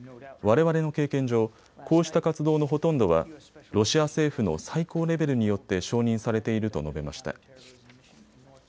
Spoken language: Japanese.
われわれの経験上、こうした活動のほとんどはロシア政府の最高レベルによって承認されていると述べました。